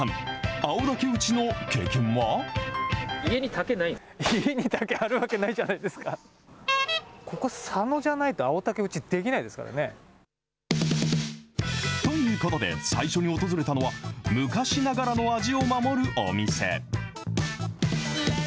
青竹打ちの経験は？ということで、最初に訪れたのは、昔ながらの味を守るお店。